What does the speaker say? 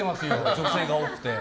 女性が多くて。